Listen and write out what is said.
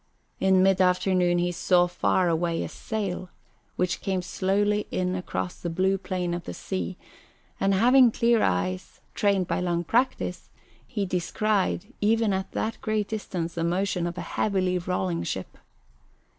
In mid afternoon he saw far away a sail, which came slowly in across the blue plain of the sea; and having clear eyes, trained by long practice, he descried even at that great distance the motion of a heavily rolling ship.